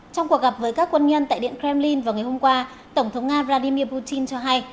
trong cuộc gặp với các quân nhân tại điện kremlin vào ngày hôm qua tổng thống nga vladimir putin cho hay